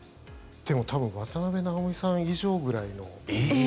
でも、多分渡辺直美さん以上ぐらいの。